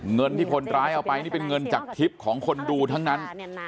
เงินที่คนร้ายเอาไปนี่เป็นเงินจากทริปของคนดูทั้งนั้น